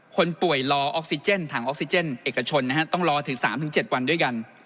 คนป่วยรอออกซิเจนถังออกซิเจนเอกชนนะฮะต้องรอถึง๓๗วันด้วยกัน